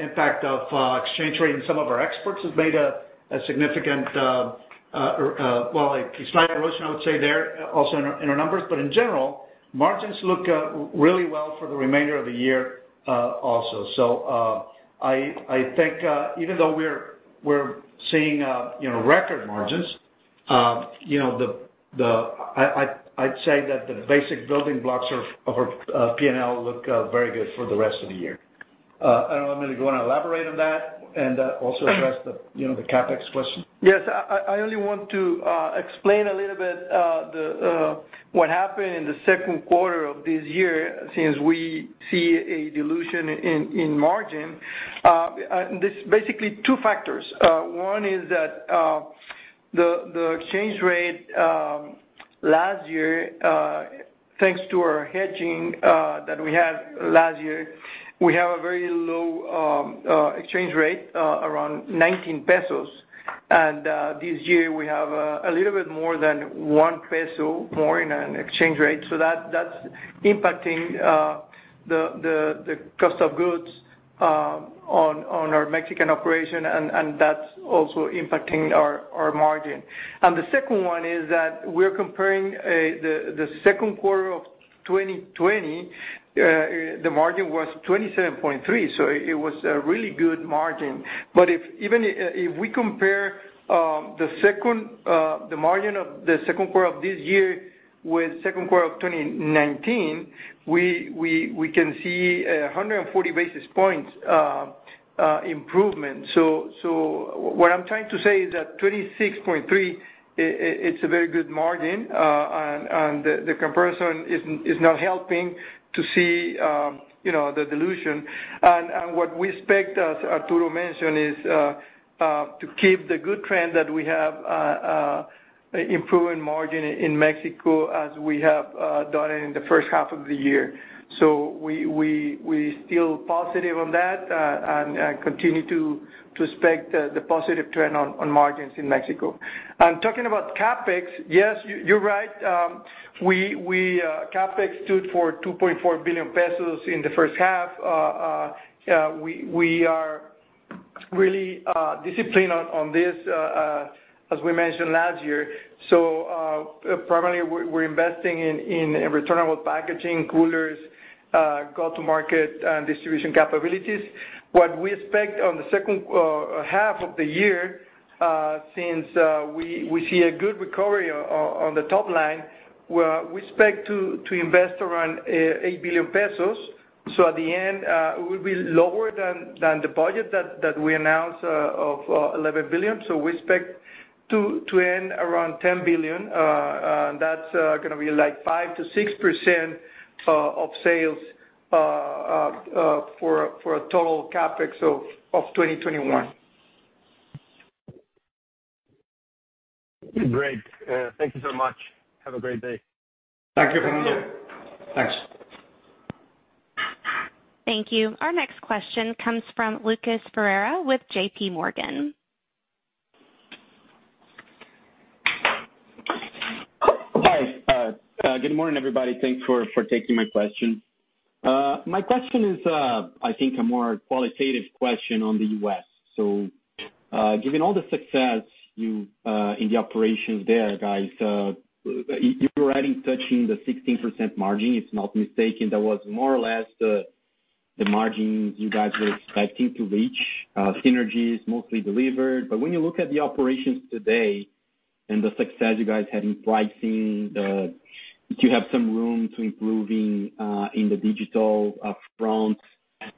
[SPEAKER 3] impact of exchange rate, and some of our exports has made a significant, well, a slight erosion, I would say there, also in our numbers. In general, margins look really well for the remainder of the year also. I think even though we're seeing record margins, I'd say that the basic building blocks of our P&L look very good for the rest of the year. I don't know, Emilio, do you want to elaborate on that and also address the CapEx question?
[SPEAKER 4] Yes. I only want to explain a little bit what happened in the second quarter of this year, since we see a dilution in margin. This is basically two factors. One is that the exchange rate last year, thanks to our hedging that we had last year, we have a very low exchange rate, around 19 pesos. This year we have a little bit more than 1 peso more in an exchange rate. That's impacting the cost of goods on our Mexican operation, and that's also impacting our margin. The second one is that we're comparing the second quarter of 2020, the margin was 27.3%, it was a really good margin. If we compare the margin of the second quarter of this year with second quarter of 2019, we can see 140 basis points improvement. What I'm trying to say is that 26.3. It's a very good margin. The comparison is not helping to see the dilution. What we expect, as Arturo mentioned, is to keep the good trend that we have improving margin in Mexico as we have done in the first half of the year. We're still positive on that and continue to expect the positive trend on margins in Mexico. Talking about CapEx, yes, you're right. CapEx stood for 2.4 billion pesos in the first half. We are really disciplined on this, as we mentioned last year. Primarily, we're investing in return on packaging, coolers, go-to-market, and distribution capabilities. What we expect on the second half of the year, since we see a good recovery on the top line, we expect to invest around 8 billion pesos. At the end, it will be lower than the budget that we announced of 11 billion. We expect to end around 10 billion. That's going to be like 5%-6% of sales for a total CapEx of 2021.
[SPEAKER 8] Great. Thank you so much. Have a great day.
[SPEAKER 4] Thank you.
[SPEAKER 3] Thank you. Thanks.
[SPEAKER 1] Thank you. Our next question comes from Lucas Ferreira with JPMorgan.
[SPEAKER 9] Hi, good morning, everybody. Thanks for taking my question. My question is I think a more qualitative question on the U.S. Given all the success in the operations there, guys, you were already touching the 16% margin, if I'm not mistaken. That was more or less the margins you guys were expecting to reach. Synergy is mostly delivered. When you look at the operations today and the success you guys had in pricing, do you have some room to improving in the digital front,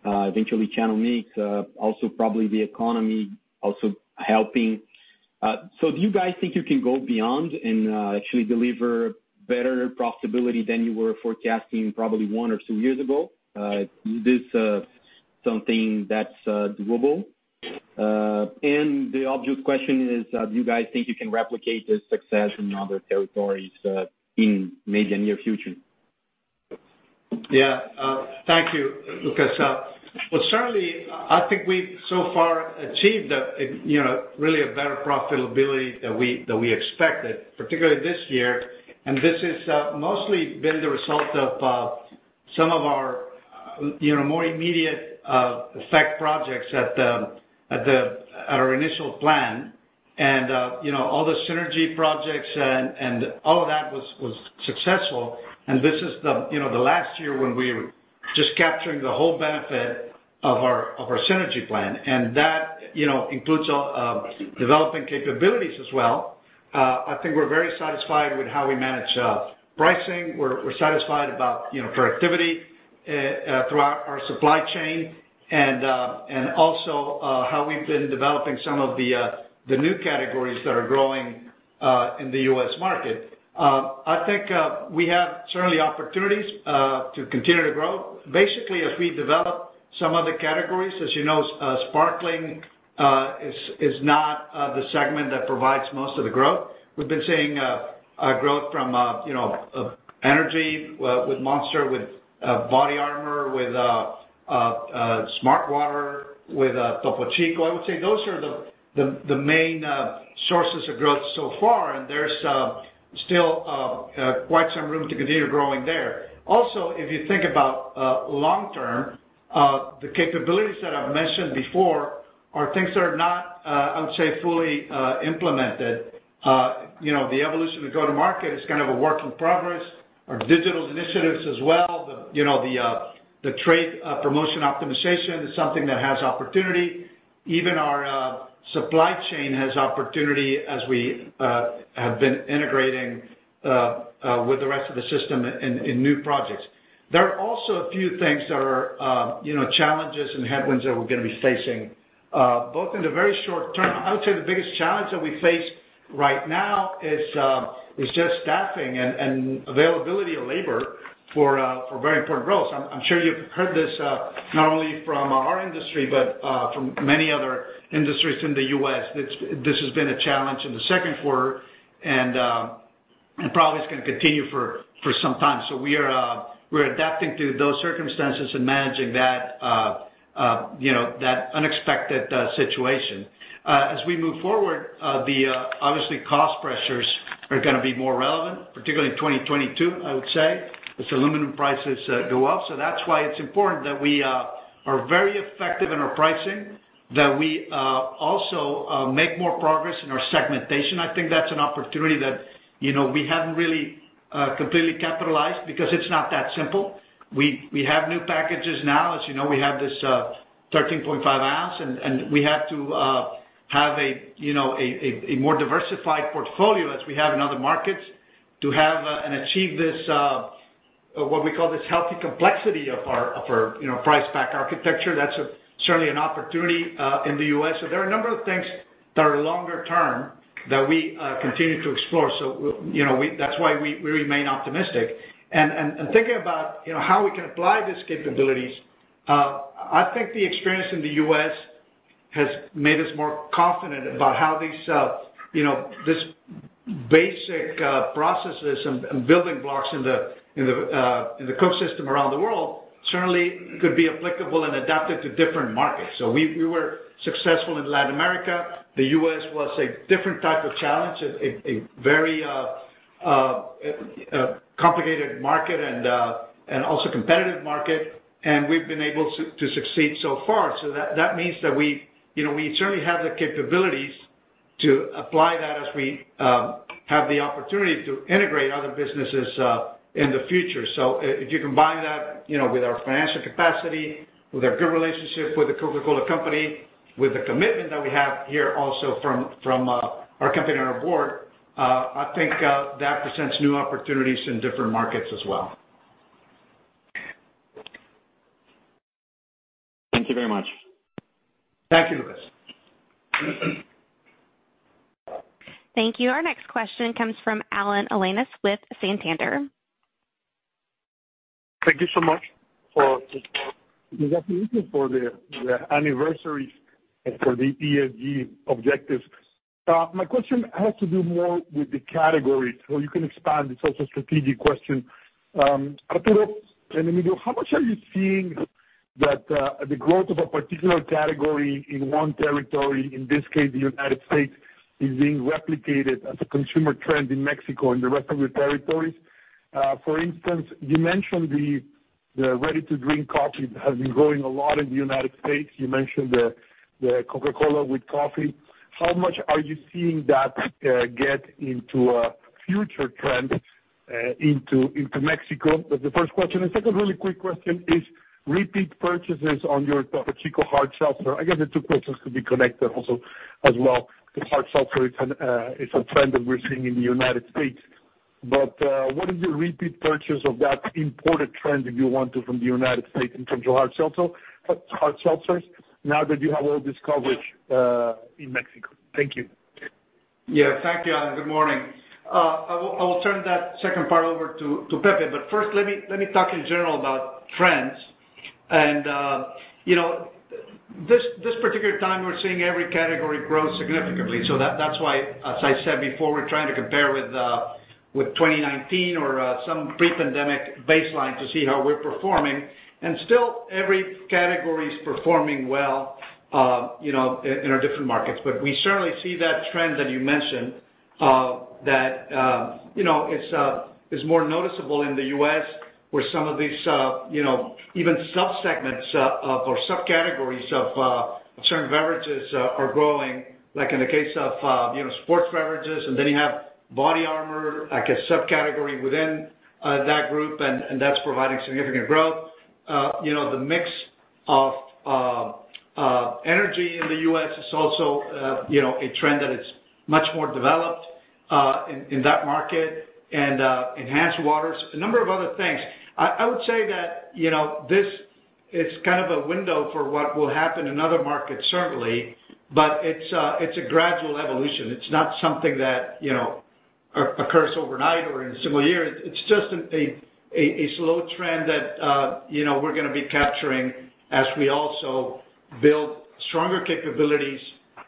[SPEAKER 9] eventually channel mix, also probably the economy also helping. Do you guys think you can go beyond and actually deliver better profitability than you were forecasting probably one or two years ago? Is this something that's doable? The obvious question is, do you guys think you can replicate this success in other territories in maybe near future?
[SPEAKER 3] Yeah. Thank you, Lucas. Well, certainly, I think we've so far achieved really a better profitability than we expected, particularly this year, and this is mostly been the result of some of our more immediate effect projects at our initial plan. All the synergy projects and all of that was successful, and this is the last year when we're just capturing the whole benefit of our synergy plan. That includes developing capabilities as well. I think we're very satisfied with how we manage pricing. We're satisfied about productivity throughout our supply chain and also how we've been developing some of the new categories that are growing in the U.S. market. I think we have certainly opportunities to continue to grow. Basically, as we develop some other categories, as you know Sparkling is not the segment that provides most of the growth. We've been seeing a growth from energy with Monster, with BODYARMOR, with smartwater, with Topo Chico. I would say those are the main sources of growth so far, and there's still quite some room to continue growing there. Also, if you think about long term, the capabilities that I've mentioned before are things that are not, I would say, fully implemented. The evolution of go-to-market is kind of a work in progress. Our digital initiatives as well, the trade promotion optimization is something that has opportunity. Even our supply chain has opportunity as we have been integrating with the rest of the system in new projects. There are also a few things that are challenges and headwinds that we're going to be facing both in the very short term. I would say the biggest challenge that we face right now is just staffing and availability of labor for very important roles. I'm sure you've heard this not only from our industry but from many other industries in the U.S. This has been a challenge in the second quarter and probably is going to continue for some time. We are adapting to those circumstances and managing that unexpected situation. As we move forward, obviously cost pressures are going to be more relevant, particularly in 2022, I would say, as aluminum prices go up. That's why it's important that we are very effective in our pricing, that we also make more progress in our segmentation. I think that's an opportunity that we haven't really completely capitalized because it's not that simple. We have new packages now. As you know, we have this 13.5 oz, and we have to have a more diversified portfolio as we have in other markets to have and achieve this. What we call this healthy complexity of our price pack architecture. That's certainly an opportunity in the U.S. There are a number of things that are longer term that we continue to explore. That's why we remain optimistic and thinking about how we can apply these capabilities. I think the experience in the U.S. has made us more confident about how these basic processes and building blocks in the Coke system around the world certainly could be applicable and adapted to different markets. We were successful in Latin America. The U.S. was a different type of challenge, a very complicated market and also competitive market, and we've been able to succeed so far. That means that we certainly have the capabilities to apply that as we have the opportunity to integrate other businesses in the future. If you combine that with our financial capacity, with our good relationship with The Coca-Cola Company, with the commitment that we have here also from our company and our board, I think that presents new opportunities in different markets as well.
[SPEAKER 9] Thank you very much.
[SPEAKER 3] Thank you, Lucas.
[SPEAKER 1] Thank you. Our next question comes from Alan Alanis with Santander.
[SPEAKER 10] Thank you so much. For the congratulations for the anniversaries and for the ESG objectives. My question has to do more with the category, so you can expand. It is also a strategic question. Arturo and Emilio, how much are you seeing that the growth of a particular category in one territory, in this case, the U.S., is being replicated as a consumer trend in Mexico and the rest of your territories? For instance, you mentioned the ready-to-drink coffee has been growing a lot in the U.S. You mentioned the Coca-Cola with Coffee. How much are you seeing that get into a future trend into Mexico? That is the first question. The second really quick question is repeat purchases on your Topo Chico Hard Seltzer. I guess the two questions could be connected also as well, because hard seltzer is a trend that we are seeing in the U.S. What is the repeat purchase of that imported trend, if you want to, from the United States in terms of hard seltzers now that you have all this coverage in Mexico? Thank you.
[SPEAKER 3] Thank you, Alan. Good morning. I will turn that second part over to Pepe. First, let me talk in general about trends. This particular time, we're seeing every category grow significantly. That's why, as I said before, we're trying to compare with 2019 or some pre-pandemic baseline to see how we're performing. Still, every category is performing well in our different markets. We certainly see that trend that you mentioned that is more noticeable in the U.S., where some of these even sub-segments or subcategories of certain beverages are growing. Like in the case of sports beverages and then you have BODYARMOR, like a subcategory within that group, and that's providing significant growth. The mix of energy in the U.S. is also a trend that is much more developed in that market and enhanced waters, a number of other things. I would say that this is kind of a window for what will happen in other markets, certainly. It's a gradual evolution. It's not something that occurs overnight or in a single year. It's just a slow trend that we're going to be capturing as we also build stronger capabilities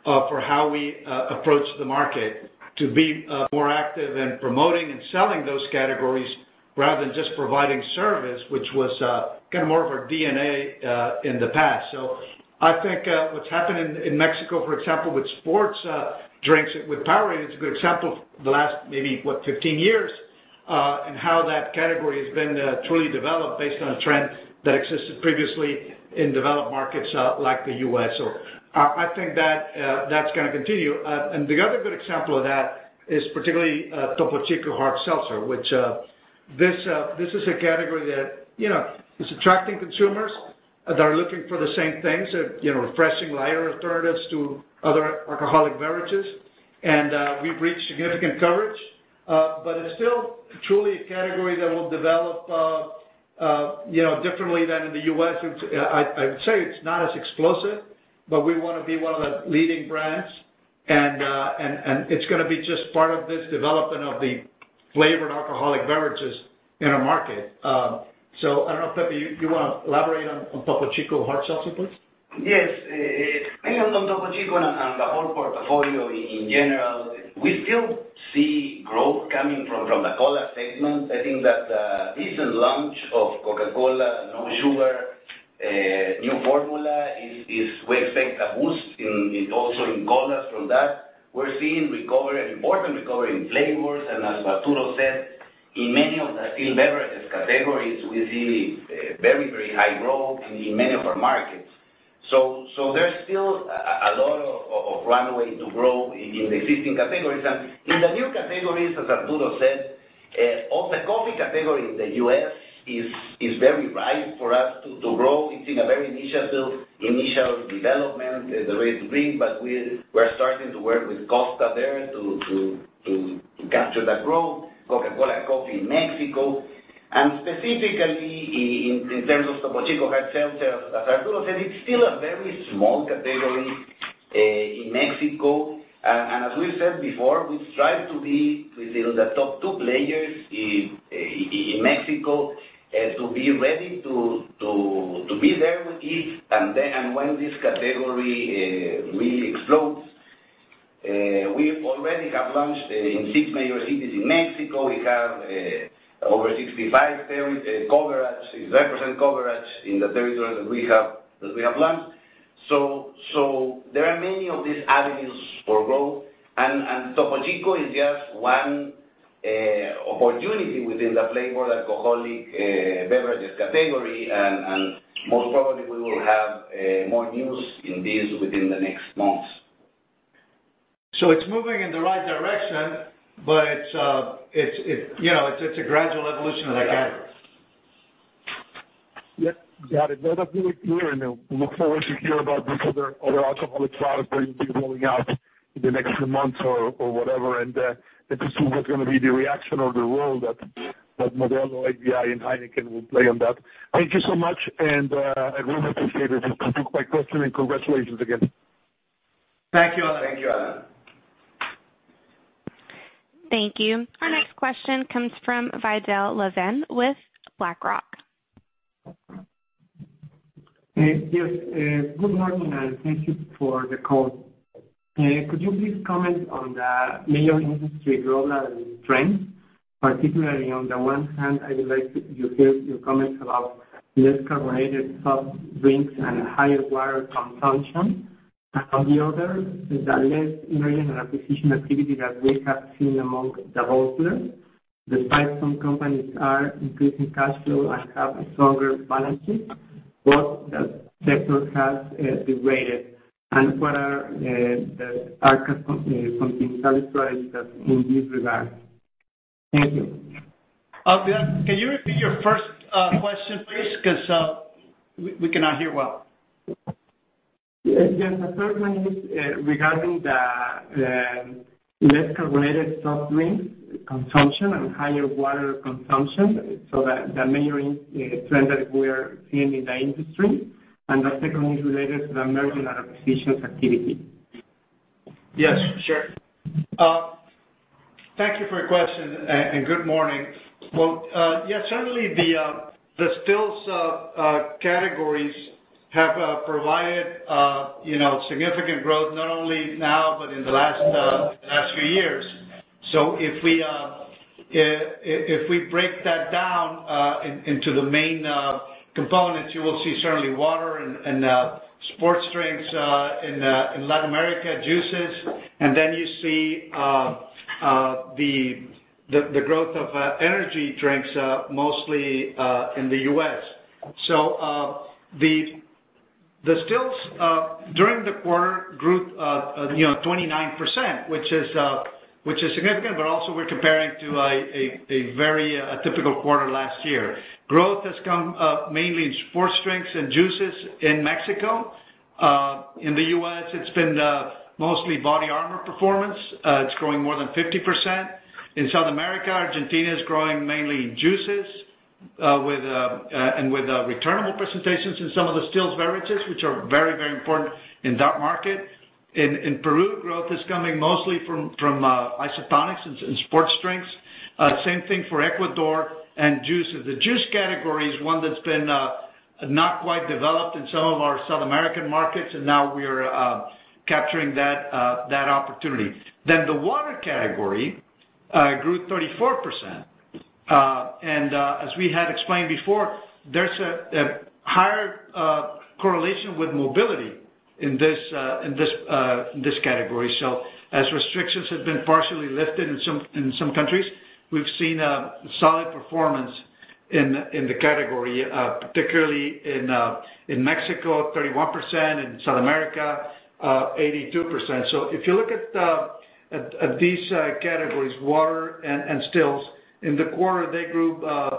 [SPEAKER 3] for how we approach the market to be more active in promoting and selling those categories rather than just providing service, which was kind of more of our DNA in the past. I think what's happened in Mexico, for example, with sports drinks, with Powerade, it's a good example the last maybe, what, 15 years, and how that category has been truly developed based on a trend that existed previously in developed markets like the U.S. I think that's going to continue. The other good example of that is particularly Topo Chico Hard Seltzer, which this is a category that is attracting consumers that are looking for the same things, refreshing, lighter alternatives to other alcoholic beverages. We've reached significant coverage. It's still truly a category that will develop differently than in the U.S. I would say it's not as explosive, but we want to be one of the leading brands, and it's going to be just part of this development of the flavored alcoholic beverages in our market. I don't know, Pepe, you want to elaborate on Topo Chico Hard Seltzer, please?
[SPEAKER 7] Yes. Maybe on Topo Chico and the whole portfolio in general, we still see growth coming from the cola segment. I think that recent launch of Coca-Cola No Sugar, new formula, we expect a boost also in colas from that. We're seeing recovery, an important recovery in flavors, and as Arturo said, in many of the still beverages categories, we see very high growth in many of our markets. There's still a lot of runway to grow in the existing categories. In the new categories, as Arturo said, of the coffee category in the U.S. is very right for us to grow. It's in a very initial development, the ready to drink. We're starting to work with Costa there to capture that growth. Coca-Cola with Coffee in Mexico. Specifically, in terms of Topo Chico Hard Seltzer, as Arturo said, it's still a very small category in Mexico. As we said before, we strive to be within the top two players in Mexico, to be ready to be there with it, and then when this category really explodes, we already have launched in six major cities in Mexico. We have over 65% coverage in the territory that we have launched. There are many of these avenues for growth, and Topo Chico is just one opportunity within the flavored alcoholic beverages category, and most probably we will have more news in this within the next months.
[SPEAKER 3] It's moving in the right direction, but it's a gradual evolution of the category.
[SPEAKER 10] Yes, got it. That's really clear, and we look forward to hear about this other alcoholic product that you'll be rolling out in the next few months or whatever, and to see what's going to be the reaction or the role that Modelo, ABI, and Heineken will play in that. Thank you so much, and I really appreciate it. This has been my question, and congratulations again.
[SPEAKER 3] Thank you, Alan.
[SPEAKER 7] Thank you, Alan.
[SPEAKER 1] Thank you. Our next question comes from Vidal Lavin with BlackRock.
[SPEAKER 11] Yes. Good morning, thank you for the call. Could you please comment on the major industry global trends, particularly on the one hand, I would like to hear your comments about less carbonated soft drinks and higher water consumption. On the other, the less merger and acquisition activity that we have seen among the bottlers. Despite some companies are increasing cash flow and have a stronger balance sheet, but the sector has degraded. What are the Arca Continental strategies in this regard? Thank you.
[SPEAKER 3] Can you repeat your first question, please, because we cannot hear well.
[SPEAKER 11] Yes, the first one is regarding the less carbonated soft drink consumption and higher water consumption, so the major trend that we're seeing in the industry. The second one is related to the merger and acquisitions activity.
[SPEAKER 3] Yes, sure. Thank you for your question, good morning. Well, yes, certainly the stills categories have provided significant growth, not only now, but in the last few years. If we break that down into the main components, you will see certainly water and sports drinks in Latin America, juices, and then you see the growth of energy drinks, mostly in the U.S. The stills, during the quarter, grew 29%, which is significant, but also we're comparing to a very atypical quarter last year. Growth has come mainly in sports drinks and juices in Mexico. In the U.S., it's been mostly BODYARMOR performance. It's growing more than 50%. In South America, Argentina is growing mainly juices, and with returnable presentations in some of the stills beverages, which are very important in that market. In Peru, growth is coming mostly from isotonics and sports drinks. Same thing for Ecuador and juices. The juice category is one that's been not quite developed in some of our South American markets, and now we are capturing that opportunity. The water category grew 34%. As we had explained before, there's a higher correlation with mobility in this category. As restrictions have been partially lifted in some countries, we've seen a solid performance in the category, particularly in Mexico, 31%, in South America, 82%. If you look at these categories, water and stills, in the quarter, they grew 34%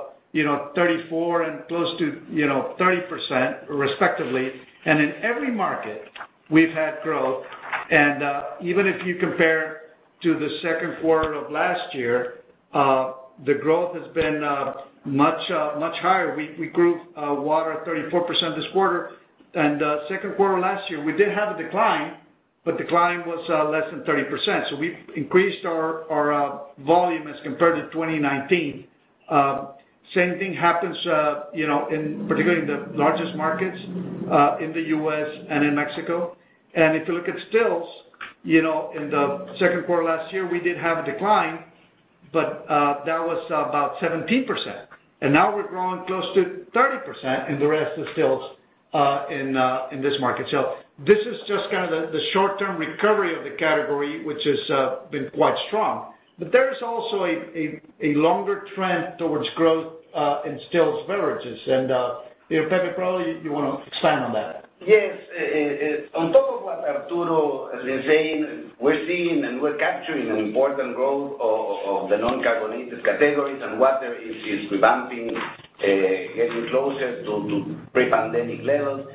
[SPEAKER 3] and close to 30%, respectively. In every market, we've had growth. Even if you compare to the second quarter of last year, the growth has been much higher. We grew water 34% this quarter. Second quarter last year, we did have a decline, but decline was less than 30%. We increased our volume as compared to 2019. Same thing happens, particularly in the largest markets, in the U.S. and in Mexico. If you look at stills, in the second quarter last year, we did have a decline, but that was about 17%. Now we're growing close to 30% in the rest of stills in this market. This is just the short-term recovery of the category, which has been quite strong. There is also a longer trend towards growth in stills beverages. Pepe, probably you want to expand on that.
[SPEAKER 7] Yes. On top of what Arturo is saying, we're seeing and we're capturing an important growth of the non-carbonated categories, and water is revamping, getting closer to pre-pandemic levels.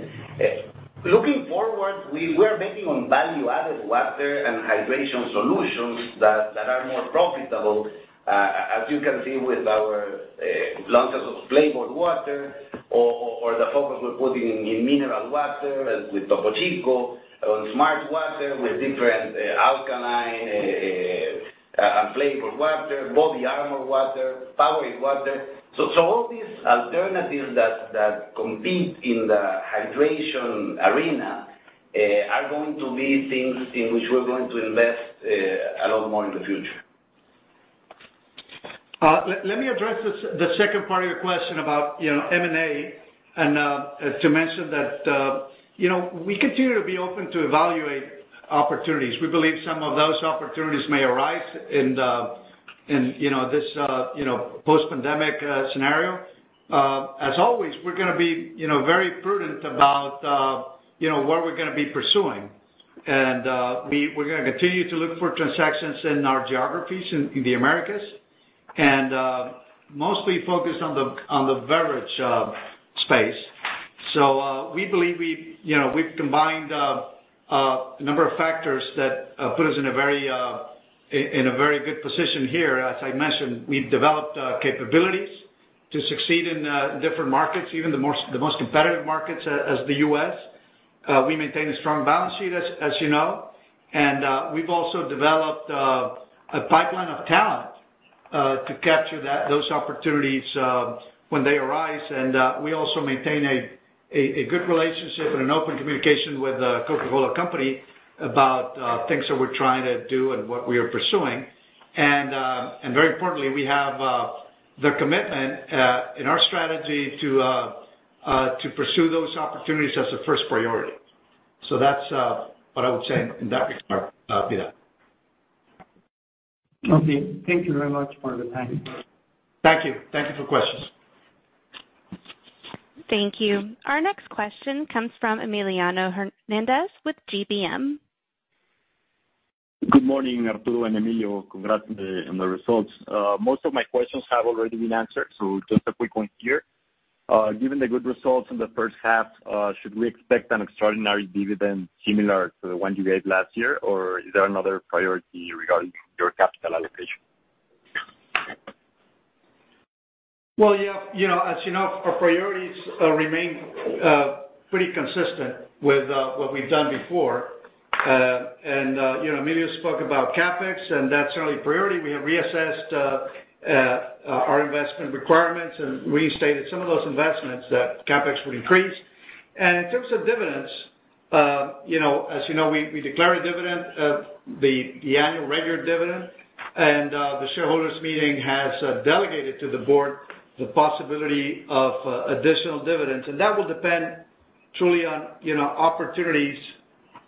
[SPEAKER 7] Looking forward, we're betting on value-added water and hydration solutions that are more profitable, as you can see with our launches of flavored water or the focus we're putting in mineral water with Topo Chico, on smartwater, with different alkaline and flavored water, BODYARMOR SportWater, POWERADE water. All these alternatives that compete in the hydration arena are going to be things in which we're going to invest a lot more in the future.
[SPEAKER 3] Let me address the second part of your question about M&A, and to mention that we continue to be open to evaluate opportunities. We believe some of those opportunities may arise in this post-pandemic scenario. As always, we're going to be very prudent about what we're going to be pursuing. We're going to continue to look for transactions in our geographies in the Americas and mostly focused on the beverage space. We believe we've combined a number of factors that put us in a very good position here. As I mentioned, we've developed capabilities to succeed in different markets, even the most competitive markets as the U.S. We maintain a strong balance sheet, as you know. We've also developed a pipeline of talent to capture those opportunities when they arise. We also maintain a good relationship and an open communication with The Coca-Cola Company about things that we're trying to do and what we are pursuing. Very importantly, we have their commitment in our strategy to pursue those opportunities as a first priority. That's what I would say in that regard, [Pedro].
[SPEAKER 11] Okay, thank you very much for the time.
[SPEAKER 3] Thank you. Thank you for questions.
[SPEAKER 1] Thank you. Our next question comes from Emiliano Hernández with GBM.
[SPEAKER 12] Good morning, Arturo and Emilio. Congrats on the results. Most of my questions have already been answered, so just a quick one here. Given the good results in the first half, should we expect an extraordinary dividend similar to the one you gave last year, or is there another priority regarding your capital allocation?
[SPEAKER 3] Well, as you know, our priorities remain pretty consistent with what we've done before. Emilio spoke about CapEx, and that's certainly a priority. We have reassessed our investment requirements and restated some of those investments that CapEx will increase. In terms of dividends, as you know, we declare a dividend, the annual regular dividend. The shareholders meeting has delegated to the board the possibility of additional dividends. That will depend truly on opportunities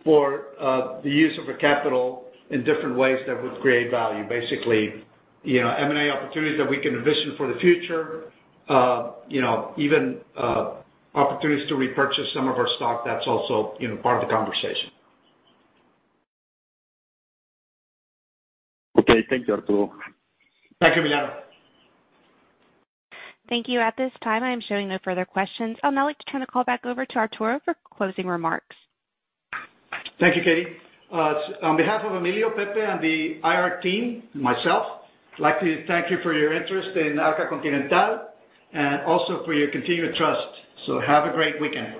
[SPEAKER 3] for the use of our capital in different ways that would create value. Basically, M&A opportunities that we can envision for the future. Even opportunities to repurchase some of our stock, that's also part of the conversation.
[SPEAKER 12] Okay, thank you, Arturo.
[SPEAKER 3] Thank you, Emiliano Hernández.
[SPEAKER 1] Thank you. At this time, I am showing no further questions. I would now like to turn the call back over to Arturo for closing remarks.
[SPEAKER 3] Thank you, Katie. On behalf of Emilio, Pepe, and the IR team, and myself, I'd like to thank you for your interest in Arca Continental and also for your continued trust. Have a great weekend.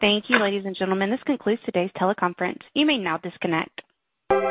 [SPEAKER 1] Thank you, ladies and gentlemen. This concludes today's teleconference. You may now disconnect.